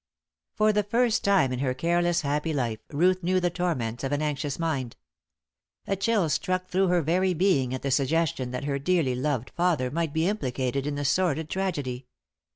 For the first time in her careless, happy life Ruth knew the torments of an anxious mind. A chill struck through her very being at the suggestion that her dearly loved father might be implicated in the sordid tragedy.